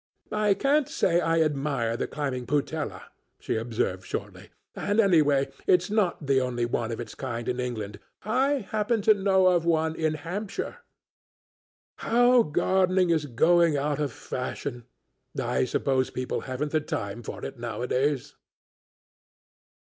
"I can't say I admire the climbing putella," she observed shortly, "and anyway it's not the only one of its kind in England; I happen to know of one in Hampshire. How gardening is going out of fashion; I suppose people haven't the time for it nowadays."